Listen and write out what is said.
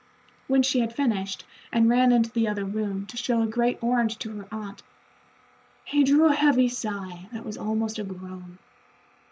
When she had finished and ran into the other room to show a great orange to her aunt, he drew a heavy sigh that was almost a groan.